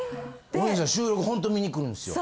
お姉さん収録ホント見に来るんですよ。